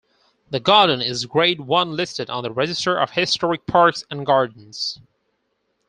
The garden is Grade One listed on the Register of Historic Parks and Gardens.